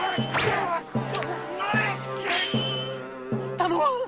頼む！